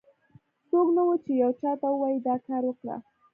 څوک نه و، چې یو چا ته ووایي دا کار وکړه.